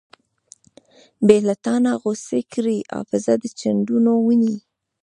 بې لتانۀ غوڅې کړې حافظه د چندڼو ونې